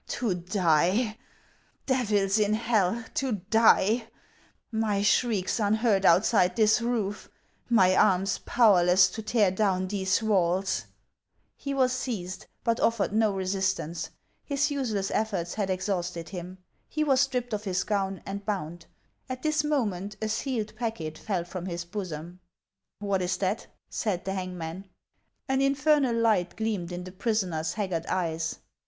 " To die ! Devils in hell, to die ! My shrieks unheard outside this roof, my arms powerless to tear down these walls !" He was seized, but offered no resistance ; his useless efforts had exhausted him. He was stripped of his gown, and bound ; at this moment a sealed packet fell from his bosom. " What is that ?" said the hangman. An infernal light gleamed in the prisoner's haggard eyes.